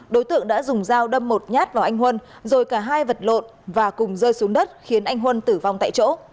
đối tượng đã dùng dao đâm một nhát vào anh huân rồi cả hai vật lộn và cùng rơi xuống đất khiến anh huân tử vong tại chỗ